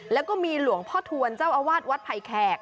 แล้วก็มีหลวงพ่อทวนเจ้าอาวาสวัดไผ่แขก